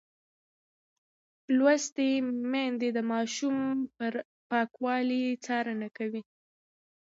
لوستې میندې د ماشوم پر پاکوالي څارنه کوي.